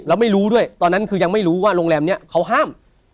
แล้วไม่รู้ด้วยตอนนั้นคือยังไม่รู้ว่าโรงแรมนี้เขาห้าม